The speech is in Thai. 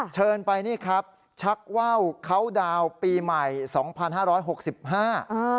เชิญไปนี่ครับชักว่าวเขาดาวน์ปีใหม่สองพันห้าร้อยหกสิบห้าอ่า